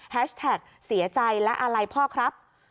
แฮชแท็กเสียใจและอาลัยพ่อครับ